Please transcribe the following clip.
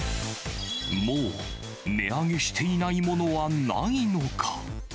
もう値上げしていないものはないのか。